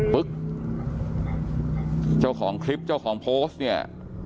เจ้าของคลิปเจ้าของโพสต์เนี่ย